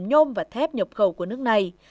nhôm và thép nhập khẩu của nước này